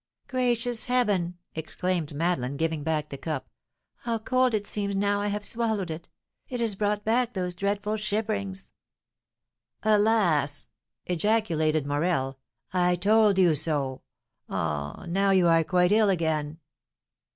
"Gracious Heaven!" exclaimed Madeleine, giving back the cup, "how cold it seems now I have swallowed it, it has brought back those dreadful shiverings!" "Alas!" ejaculated Morel, "I told you so, ah, now you are quite ill again!"